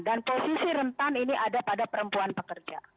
dan posisi rentan ini ada pada perempuan pekerja